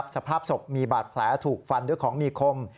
สภาพศพมีบาดแผลถูกฟันด้วยของมีคม